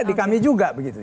di kami juga begitu